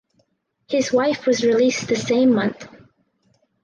His wife was released the same month.